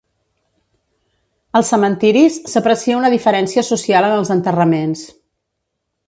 Als cementiris, s'aprecia una diferència social en els enterraments.